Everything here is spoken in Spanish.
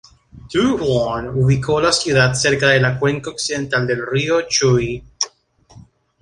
Du Huan ubicó la ciudad cerca de la cuenca occidental del río Chui.